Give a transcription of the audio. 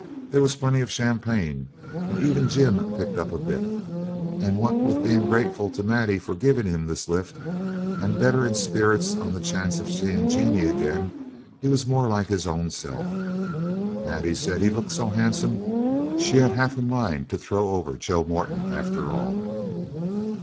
There was plenty of champagne, and even Jim picked up a bit; and what with being grateful to Maddie for giving him this lift, and better in spirits on the chance of seeing Jeanie again, he was more like his own self. Maddie said he looked so handsome she had half a mind to throw over Joe Moreton after all.